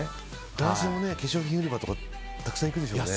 男性も化粧品売り場とかたくさん行くでしょうね。